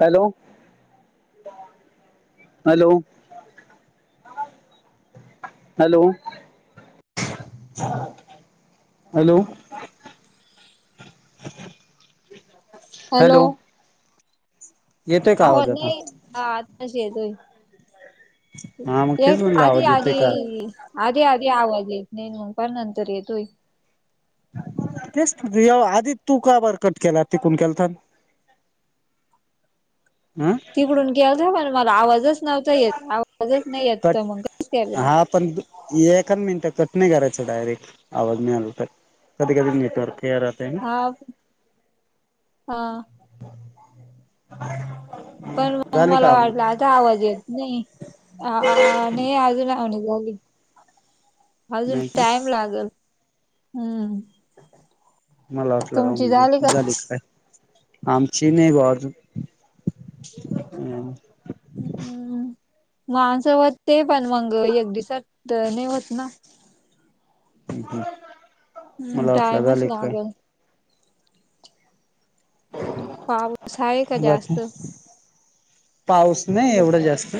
Hello hello hello hello [unintelligible] hello येतोय का अहो आवाज आता नाही हा आताशी येतोय हा मग तेच एक म्हणलं आजी आवाज येतोय आजी का आधी आधी आवाज येत नाही मग पण नंतर येतोय तेच [unintelligible] आधी तू का बर कट केला तिकून केलतात हम तिकडून गेलता पण मला आवाजच नव्हता येत आवाजच नाही येत कट मग का काय बरं हा पण एकाच मिनिट कट नाही करायचं डायरेक्ट आवाज नाही आल तर कधी कधी नेटवर्क [unintelligible] राते [unintelligible] हा [unintelligible] पण मग झाली का मला आवनी? वाटलं आता आवाज येत नाही अ अ नई अजून [unintelligible] ली अजून नाही का टाइम लागल हम्म मला वाटलं म्हणजे झाली का काय आमची नाही बुआ अजून हम् हम् माणसं होत ते पण मंग एक दिसात नाही होत ना. हम् मला वाटलं टाइमच झाले काय लागल. पाऊस हाय का बाकी जास्त? पाऊस नाही एवढं जास्त,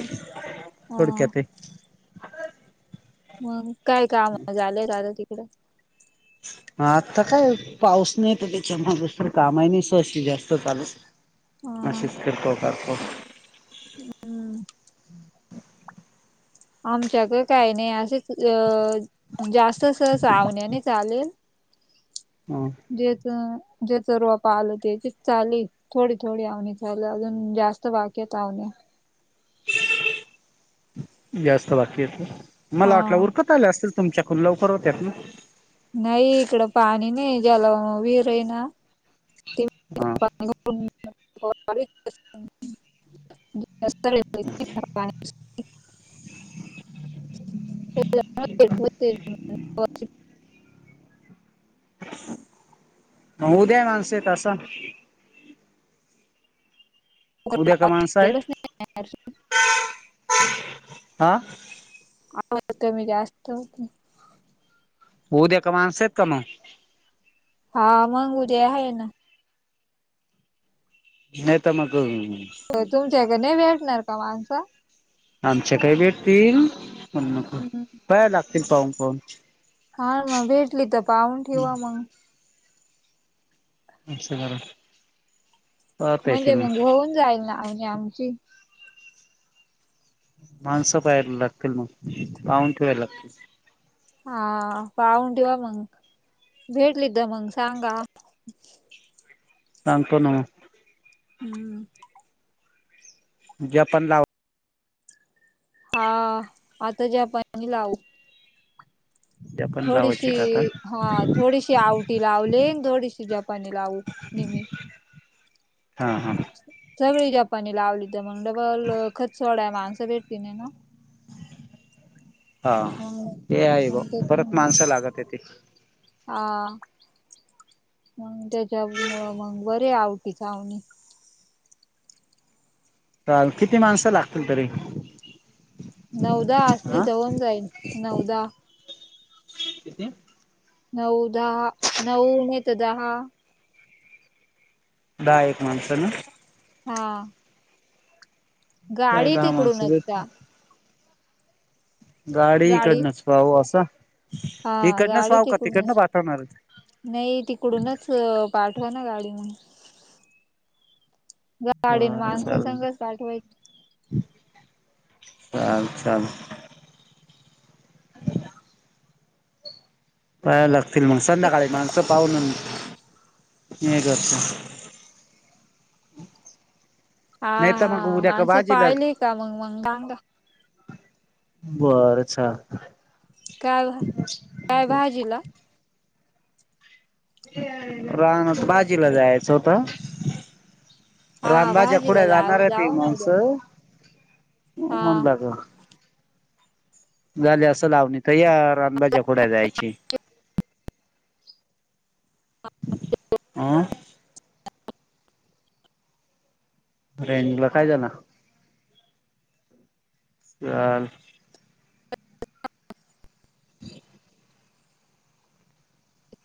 हा थोडक्यात ये. मग काय काम झालंय दादा तिकड. हा आता काय पाऊस नाही तर त्याच्या माग तर कामाही नाही तशी जास्त चालू. ह अशीच [unintelligible] हम्म. आमच्याकडे काही नाही असंच अ जास्त सहसा आवण्याने चालेल. अ. जेच, जेच रोप आलं त्याचीच चालील. थोडी थोडी आवणी झाल अजून जास्त बाकी हायत आवणे. जास्त बाकी हायत होय, हा मला वाटलं उरकत आल्या असतील तुमच्याकडून लवकर होतात ना. नाही इकड पाणी नाही [unintelligible] विहिर आहे ना, ती हा. [unintelligible] [unintelligible] [unintelligible] [unintelligible] म उद्या माणसं येत असं. उद्या का माणसं हाईत, आ. आवाज कमी जास्त होतय. उद्या का माणस आहेत का मग. हा मग उद्या हाय ना. नाही तर मग. तुमच्या इकड नाही भेटणार का माणस? आमच्या कडे भेटतील, पण मग, हम्म. पाय लागतील पाहून पाहून. हा मग भेटली तर पाहून ठेवा मग. [unintelligible] पाहता येतील म्हणजे मग होऊन जाईल ना आळणी आमची. माणसं पाहायला लागतील मग पाहून ठेवायला लागतील. हा पाहून ठेवा मग, भेटली तर मंग सांगा. सांगतो ना म. हम्म. जापण लावा. हा, आता जपाणी लावू. जपान थोडीशी लावायचे का आता हा थोडीशी आवटी लावले थोडीशी जपानी लावू निम्मी. हा हा. सगळी जपानी लावली तर म डबल खत सोडाय माणसं भेटती नाही ना. हा मग ते आहे बो मग परत त्याच्यामुळे माणसं लागत येते. हा, मग त्याच्यामुळं मग बरे आवटी च आवणी. काल किती माणसं लागतील तरी. नऊ - दहा असली हा तर होऊन जाईल, नऊ दहा. किती नऊ - दहा, नऊ नाय तर दहा. दहा एक माणसं ना. हा. काय गाडी दहा माणसं तिकडूनच देत का? गाडी गाडीइकड नच पाहु असं. हा इकडनंच गाडी पाहू का तिकडनं तिकडूनच, पाठवणार नाही तिकडूनच. पाठवा ना गाडी म, गा गाडीन बर माणस चाल संगच पाठवायचे. चाल चाल. पहायला लागतील मग संध्याकाळी माणसं पाहलं [unintelligible] हा नाही तर मग हा, उद्या का माणसं भाजीला पाहिले का मग मगांग बर चालत. काय भा काय भाजीला, रानात बाजीला जायचं होत. हा रानभाज्या भाजीला खुडायला जाणार जाऊ आहे ती जाऊ ना माणस. उद्या हा म्हणला तर झाले असं लावणी त या रानबाज्या खोडाय जायची. आं! रेनला काय झाला. चाल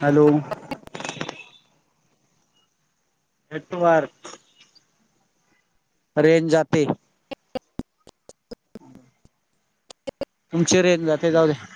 हॅलो! हटवार, रेंज जाते. [inaudible] तुमची रेंज जाते जाऊ द्या.